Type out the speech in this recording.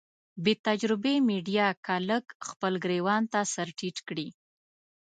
بې تجربې ميډيا که لږ خپل ګرېوان ته سر ټيټ کړي.